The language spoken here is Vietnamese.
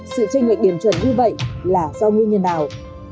sự tranh lệch điểm chuẩn như vậy là do nguyên nhân nào